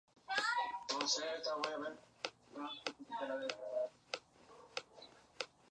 En Staten Island, se conoció como el accidente de Miller Field.